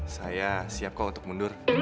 saya siap kok untuk mundur